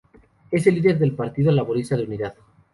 Es el líder del Partido Laborista de Unidad.